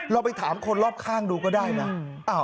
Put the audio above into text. เราไปถามคนรอบข้างดูก็ได้นะ